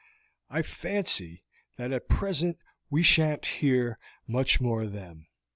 I fancy that at present we shan't hear much more of them.